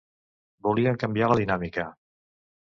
Volíem canviar la dinàmica.